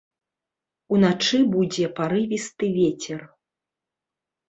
Уначы будзе парывісты вецер.